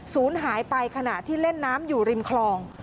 ศูนย์หายไปขณะที่เล่นน้ำอยู่ริมคลอง